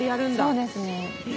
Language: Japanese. そうですね。